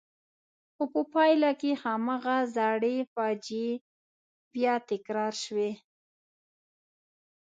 خو په پایله کې هماغه زړې فاجعې بیا تکرار شوې.